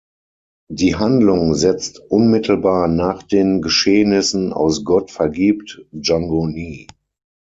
Die Handlung setzt unmittelbar nach den Geschehnissen aus Gott vergibt… Django nie!